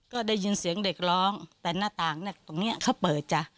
ก็ได้ยินเสียงเด็กร้องแต่หน้าต่างเนี่ยตรงนี้เขาเปิดจ้ะ